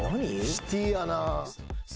シティーやな。